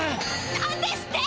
何ですって！？